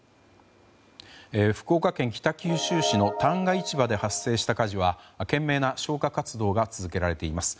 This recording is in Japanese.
福岡県北九州市の旦過市場で発生した火事は懸命な消火活動が続けられています。